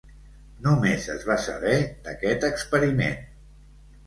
Només es va saber d'aquest experiment.